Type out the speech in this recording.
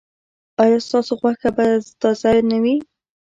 ایا ستاسو غوښه به تازه نه وي؟